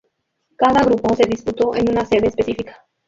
Cada grupo se disputó en una sede específica.